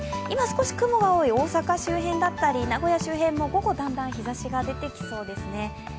今、少し雲が多い、大阪周辺だったり名古屋周辺も午後はだんだん日ざしが出てきそうですね。